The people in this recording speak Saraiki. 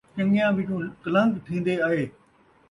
چن٘ڳیاں وچوں کلن٘گ تھین٘دے آئے